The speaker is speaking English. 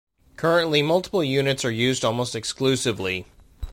Currently multiple units are used almost exclusively.